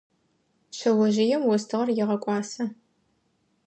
Шъэожъыем остыгъэр егъэкӏуасэ.